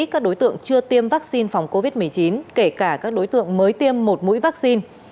các đối tượng chưa tiêm vaccine phòng covid một mươi chín kể cả các đối tượng mới tiêm một mũi vaccine